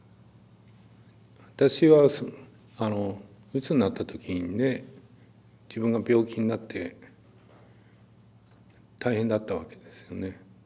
私はあのうつになった時にね自分が病気になって大変だったわけですよね。